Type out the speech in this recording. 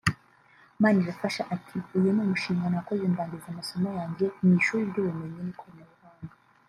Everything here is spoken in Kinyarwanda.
Manirafasha ati “Uyu ni munshinga nakoze ndangiza amasomo yanjye mu Ishuri ry’Ubumenyi n’Ikoranabuhanga